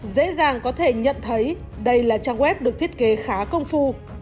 dễ dàng có thể nhận thấy đây là trang web được thiết kế khá công phu